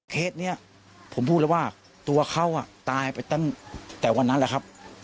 เคสนี้ผมพูดแล้วว่าตัวเขาตายไปตั้งแต่วันนั้นแหละครับ